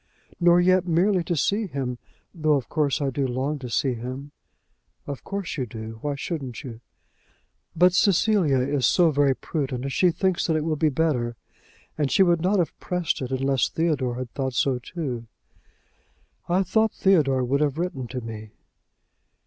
"Nor yet merely to see him! though of course I do long to see him!" "Of course you do; why shouldn't you?" "But Cecilia is so very prudent, and she thinks that it will be better. And she would not have pressed it, unless Theodore had thought so too!" "I thought Theodore would have written to me!"